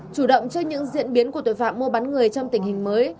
chủ động trước những diễn biến của tội phạm mua bán người trong tình hình mới